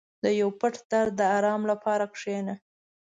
• د یو پټ درد د آرام لپاره کښېنه.